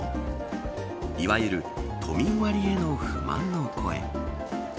いわゆる都民割への不安の声。